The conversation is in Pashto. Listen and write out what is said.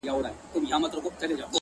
• د قصاب له سترګو بلي خواته ګوره,